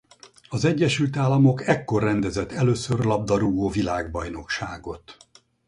Az Egyesült Államok ekkor rendezett először labdarúgó-világbajnokságot.